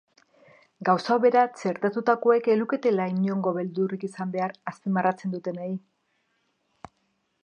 Gauza bera txertatutakoek ez luketela inongo beldurrik izan behar azpimarratzen dutenei.